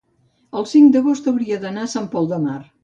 el cinc d'agost hauria d'anar a Sant Pol de Mar.